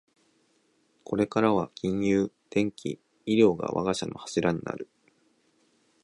これからは金融、電機、医療が我が社の柱になる